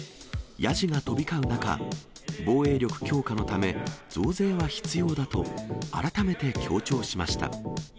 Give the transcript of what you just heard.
ヤジが飛び交う中、防衛力強化のため、増税は必要だと改めて強調しました。